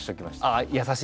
ああ優しい。